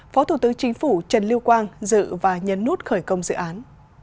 phó thủ tướng chính phủ trần lưu quang dự và nhấn nút khởi công dự án